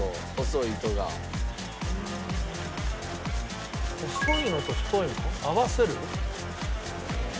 細いのと太いの合わせる？